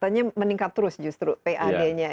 katanya meningkat terus justru pad nya